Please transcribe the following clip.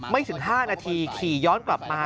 ไม่ถึง๕นาทีขี่ย้อนกลับมา